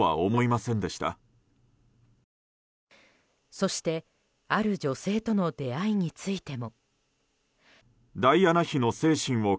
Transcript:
そして、ある女性との出会いについても。